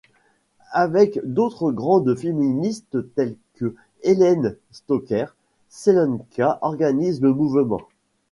Avec d'autres grandes féministes telle que Helene Stöcker, Selenka organise le mouvement.